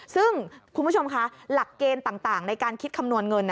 ซึ่งคุณผู้ชมคะหลักเกณฑ์ต่างในการคิดคำนวณเงิน